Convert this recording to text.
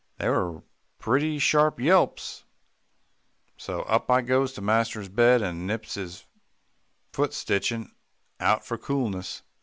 "They were pretty sharp yelps, so up I goes to master's bed, and nips his foot sticking out for coolness."